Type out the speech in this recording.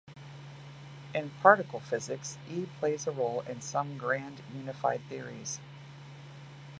In particle physics, E plays a role in some grand unified theories.